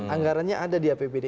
anggarannya ada di apbd